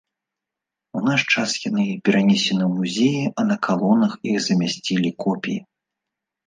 У наш час яны перанесены ў музеі, а на калонах іх замясцілі копіі.